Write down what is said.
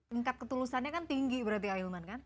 tingkat ketulusannya kan tinggi berarti ahilman kan